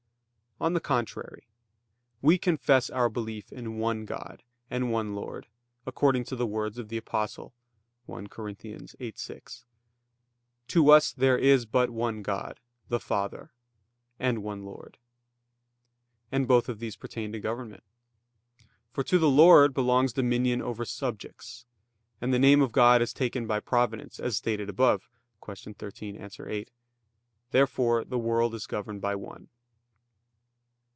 On the contrary, We confess our belief in one God and one Lord, according to the words of the Apostle (1 Cor. 8:6): "To us there is but one God, the Father ... and one Lord": and both of these pertain to government. For to the Lord belongs dominion over subjects; and the name of God is taken from Providence as stated above (Q. 13, A. 8). Therefore the world is governed by one.